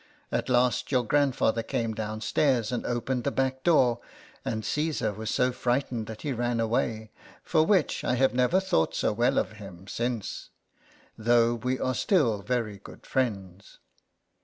At last your grandfather LETTERS FROM A CAT. 65 came downstairs, and opened the back door ; and Caesar was so fright ened that he ran away, for which I have never thought so well of him since, though we are still very good friends.